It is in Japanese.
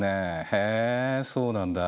へえそうなんだ。